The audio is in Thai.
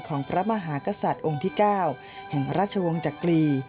ของพระมหากษัตริย์องค์ที่๙แห่งราชวงศ์จักรี